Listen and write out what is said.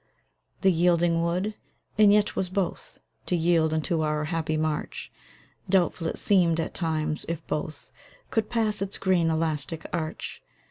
The yielding wood? And yet 't was both To yield unto our happy march; Doubtful it seemed, at times, if both Could pass its green, elastic arch.